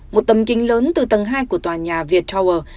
một tầm kinh lớn từ tầng hai của tòa nhà viettower